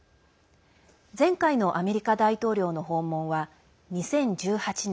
前回のアメリカ大統領の訪問は２０１８年